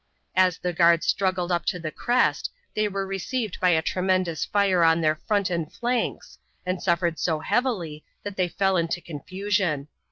As the guards struggled up to the crest they were received by a tremendous fire on their front and flanks and suffered so heavily that they fell into confusion.